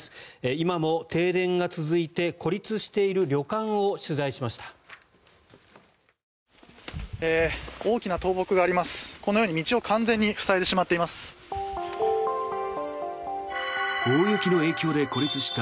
今も停電が続いて孤立している旅館を取材しました。